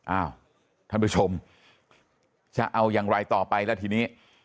อ้าวท่านผู้ชมจะเอาอย่างไรต่อไปแล้วทีนี้